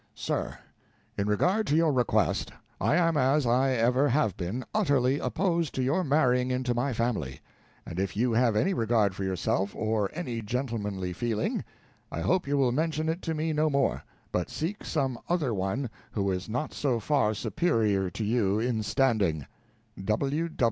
Sir In regard to your request, I am as I ever have been, utterly opposed to your marrying into my family; and if you have any regard for yourself, or any gentlemanly feeling, I hope you will mention it to me no more; but seek some other one who is not so far superior to you in standing.